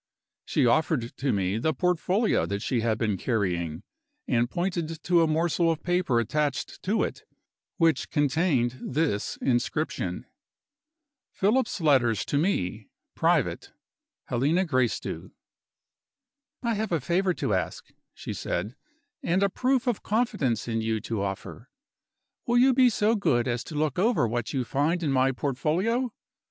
She offered to me the portfolio that she had been carrying, and pointed to a morsel of paper attached to it, which contained this inscription: "Philip's Letters To Me. Private. Helena Gracedieu." "I have a favor to ask," she said, "and a proof of confidence in you to offer. Will you be so good as to look over what you find in my portfolio?